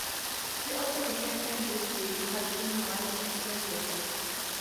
He also became friends with Billy Hutchinson while in prison.